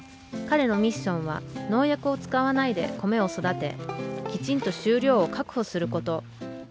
彼のミッションは農薬を使わないで米を育てきちんと収量を確保すること。